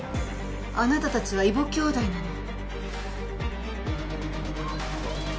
あなたたちは異母姉妹なの。